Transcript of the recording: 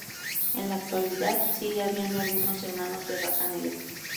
En la actualidad sigue habiendo algunos hermanos de raza negra.